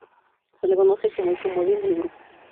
Se le conoce como el "comodín" del grupo.